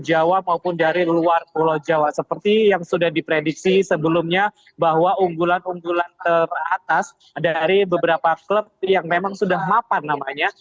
jawa maupun dari luar pulau jawa seperti yang sudah diprediksi sebelumnya bahwa unggulan unggulan teratas dari beberapa klub yang memang sudah mapan namanya